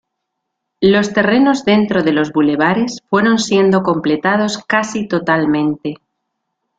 Los terrenos dentro de los bulevares fueron siendo completados casi totalmente.